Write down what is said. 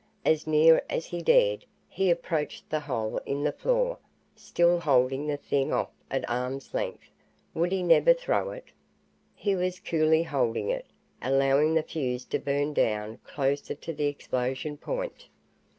As near as he dared, he approached the hole in the floor, still holding the thing off at arm's length. Would he never throw it? He was coolly holding it, allowing the fuse to burn down closer to the explosion point.